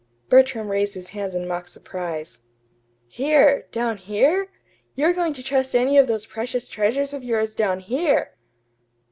Bertram raised his hands in mock surprise. "Here down here! You're going to trust any of those precious treasures of yours down here!"